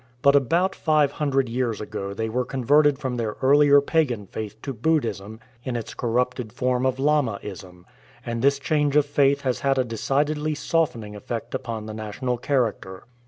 But about 500 years ago they were converted from their earlier Pagan faith to Buddhism in its corrupted form of Lama ism, and this change of faith has had a decidedly softening effect upon the national character.